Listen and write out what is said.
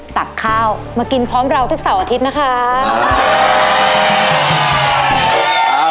ตักข้าวมากินพร้อมเราทุกเสาร์อาทิตย์นะคะ